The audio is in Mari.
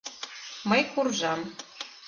Мый куржам.